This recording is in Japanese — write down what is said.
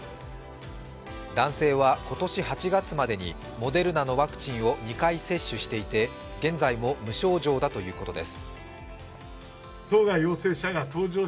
男性は、今年８月までにモデルナのワクチンを２回接種していて現在も無症状だということです。